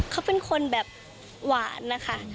เขาเป็นคนแบบหวานนะคะ